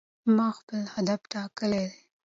ما خپل هدف ټاکلی دی.